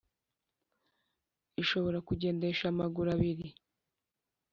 Ishobora kugendesha amaguru abiri